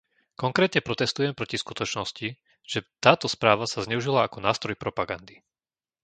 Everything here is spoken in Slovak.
Konkrétne protestujem proti skutočnosti, že táto správa sa zneužila ako nástroj propagandy.